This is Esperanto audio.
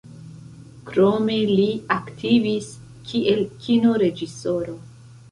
Krome li aktivis kiel Kino-reĝisoro.